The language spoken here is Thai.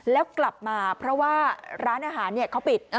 แล้วกลับมาเพราะว่าร้านอาหารเขาปิด